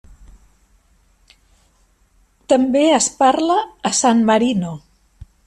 També es parla a San Marino.